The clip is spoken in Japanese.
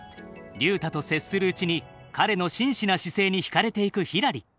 竜太と接するうちに彼のしんしな姿勢に引かれていくひらり。